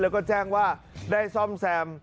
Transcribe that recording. แล้วก็แจ้งว่าได้ซ่อมแซม